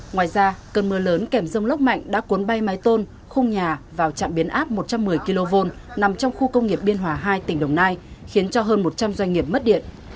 ngoài ra cơn mưa lớn kèm rông lốc mạnh đã cuốn bay mái tôn khung nhà vào trạm biến áp một trăm một mươi kv nằm trong khu công nghiệp biên hòa hai tỉnh đồng nai khiến cho hơn một trăm linh doanh nghiệp mất điện